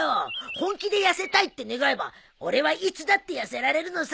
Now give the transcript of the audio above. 本気で「痩せたい」って願えば俺はいつだって痩せられるのさ！